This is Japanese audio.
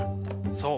そう。